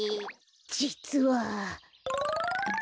じつは。